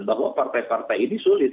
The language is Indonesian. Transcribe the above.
bahwa partai partai ini sulit